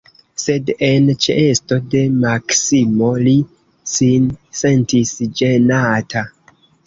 Sed en ĉeesto de Maksimo li sin sentis ĝenata.